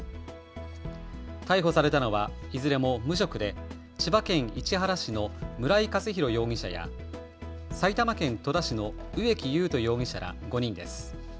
逮捕されたのはいずれも無職で千葉県市原市の村井勝宏容疑者や埼玉県戸田市の植木優斗容疑者ら５人です。